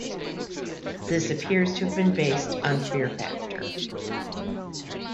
This appears to have been based on "Fear Factor".